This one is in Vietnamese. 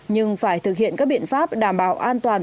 nhưng phải thực hiện các biện pháp đảm bảo an toàn